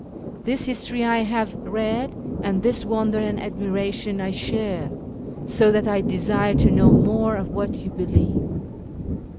This history I have read, and this w"onder and admiration I share, so that I desire to know more of what you believe.